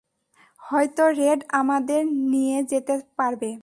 হয়তো রেড আমাদের নিয়ে যেতে পারবে!